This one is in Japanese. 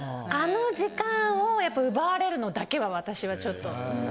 あの時間をやっぱ奪われるのだけは私はちょっと。